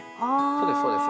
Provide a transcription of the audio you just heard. そうですそうです。